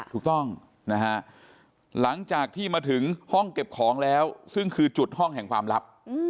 ถูกต้องนะฮะหลังจากที่มาถึงห้องเก็บของแล้วซึ่งคือจุดห้องแห่งความลับ